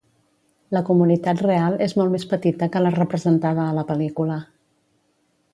La comunitat real és molt més petita que la representada a la pel·lícula.